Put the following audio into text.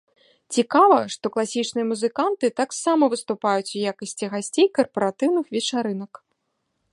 Цікава, што класічныя музыканты таксама выступаюць у якасці гасцей карпаратыўных вечарынак.